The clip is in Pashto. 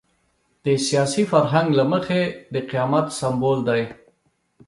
د سیاسي فرهنګ له مخې د قیامت سمبول دی.